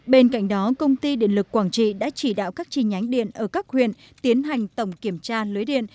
bên cạnh đó công ty điện lực quảng trị đã chỉ đạo các chi nhánh điện ở các huyện tiến hành tổng kiểm tra lưới điện